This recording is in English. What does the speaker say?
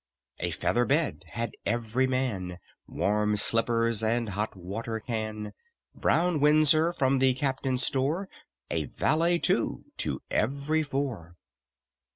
A feather bed had every man, Warm slippers and hot water can, Brown windsor from the captain's store, A valet, too, to every four.